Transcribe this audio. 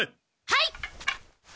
はい！